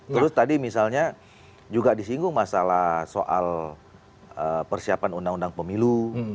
terus tadi misalnya juga disinggung masalah soal persiapan undang undang pemilu